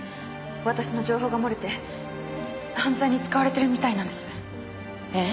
私の情報が漏れて犯罪に使われてるみたいなんです。え？